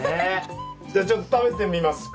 じゃちょっと食べてみますか。